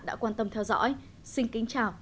đã quan tâm theo dõi xin kính chào